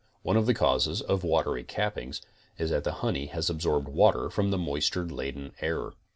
One of the causes of watery cappings is that the honey has absorbed water from the moisture laden air.